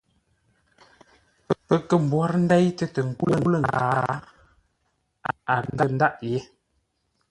Pə́ kə̂ mbwórə́ ndéitə́ tə nkə́u lə̂ nkǎa, a kə̂ ndâʼ yé.